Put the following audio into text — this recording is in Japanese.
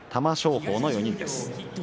鳳の４人です。